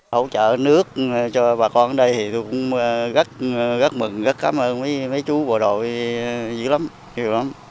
hỗ trợ nước cho bà con ở đây thì tôi cũng rất mừng rất cảm ơn mấy chú bộ đội gì lắm chứ lắm